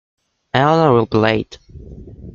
Elena will be late.